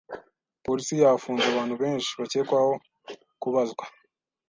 Polisi yafunze abantu benshi bakekwaho kubazwa.